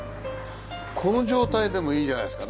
この状態でもいいじゃないですかね。